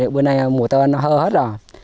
bữa nay mùa tơ nó hơ hết rồi